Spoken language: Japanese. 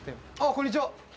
こんにちは。